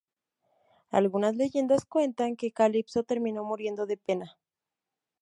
Algunas leyendas cuentan que Calipso terminó muriendo de pena.